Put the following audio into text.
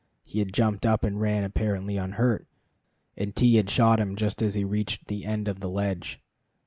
He had jumped up and run apparently unhurt, and T had shot him just as he reached the end of the ledge.